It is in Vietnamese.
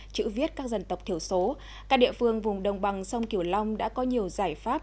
chữ viết các dân tộc thiểu số các địa phương vùng đồng bằng sông kiều long đã có nhiều giải pháp